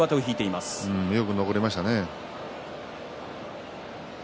よく残りましたね。